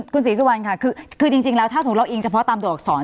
คุณศรีสุวรรณค่ะคือจริงแล้วถ้าสมมุติเราอิงเฉพาะตามตัวอักษร